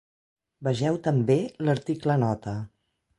Vegeu també l'article Nota.